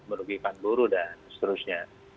merugikan buruh dan seterusnya